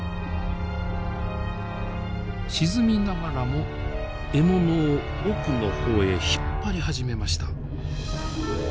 沈みながらも獲物を奥の方へ引っ張り始めました。